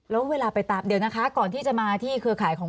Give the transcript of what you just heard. แล้วเวลาไปตามเดี๋ยวนะคะก่อนที่จะมาที่เครือข่ายของ